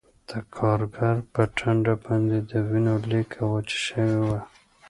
د کارګر په ټنډه باندې د وینو لیکه وچه شوې وه